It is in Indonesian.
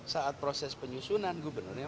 saat proses penyusunan gubernurnya